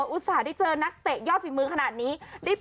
อุตส่าห์ได้เจอนักเตะยอดฝีมือขนาดนี้